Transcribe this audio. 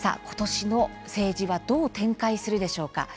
ことしの政治はどう展開するでしょうか。